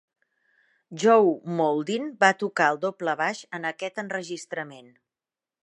Joe Mauldin va tocar el doble baix en aquest enregistrament.